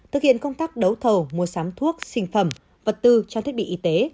thực hiện công tác đấu thầu mua sắm thuốc sinh phẩm vật tư trang thiết bị y tế